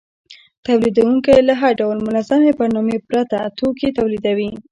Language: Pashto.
تولیدونکي له هر ډول منظمې برنامې پرته توکي تولیدوي